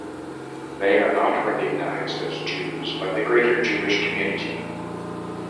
They are not recognized as Jews by the greater Jewish community.